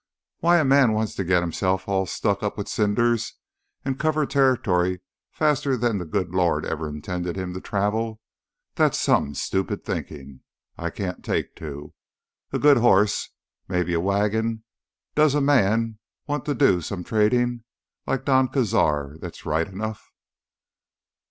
Why a man wants to git hisself all stuck up with cinders an' cover territory faster than th' Good Lord ever intended him to travel—that's some stupid thinkin' I can't take to. A good hoss, maybe a wagon, does a man want to do some tradin' like Don Cazar—that's right enough.